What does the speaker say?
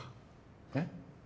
えっ？